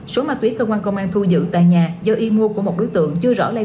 số ma túy cơ quan công an thu dự tại nhà do y mô của một đối tượng chưa rõ lây lệ